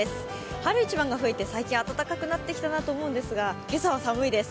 春一番が吹いて最近、暖かくなってきたなと思うんですが、今朝は寒いです